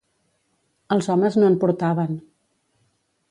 Els homes no en portaven.